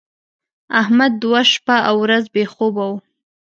احمد دوه شپه او ورځ بې خوبه و.